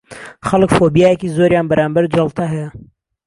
خەڵک فۆبیایەکی زۆریان بەرامبەر جەڵتە هەیە